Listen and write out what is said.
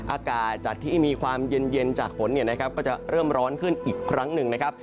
อากาศจากที่มีความเย็นจากฝนก็จะเริ่มร้อนขึ้นอีกครั้งหนึ่งนะครับ